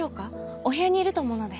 お部屋にいると思うので。